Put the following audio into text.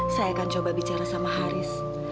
saya akan coba bicara sama haris